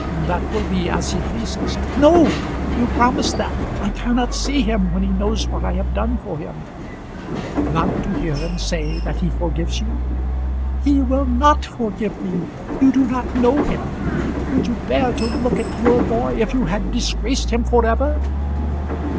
"That will be as he pleases." "No. You promised that. I cannot see him when he knows what I have done for him." "Not to hear him say that he forgives you?" "He will not forgive me. You do not know him. Could you bear to look at your boy if you had disgraced him for ever?"